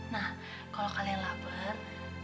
nah kalau kalian lapar